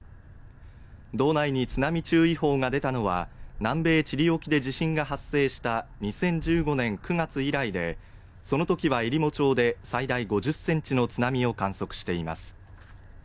道内に津波注意報が出たのは、南米チリ沖で地震が発生した２０１５年９月以来で、その時はえりも町で最大５０センチの津波を観測しています。